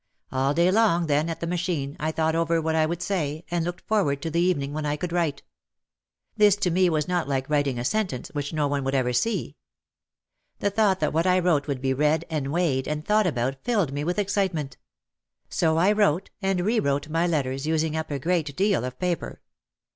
All day long then at the ma chine, I thought over what I would say, and looked for ward to the evening when I could write. This to me was not like writing a sentence which no one would ever see. The thought that what I wrote would be read and weighed and thought about filled me with excitement. So I wrote and re wrote my letters using up a great deal of paper.